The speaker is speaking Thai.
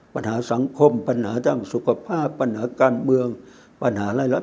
ปัญหาสังคมปัญหาด้านสุขภาพปัญหาการเมืองปัญหาไร้รัฐ